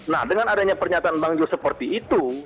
nah dengan adanya pernyataan bangjo seperti itu